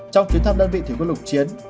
trong chuyến thăm đơn vị thủy quân lục chiến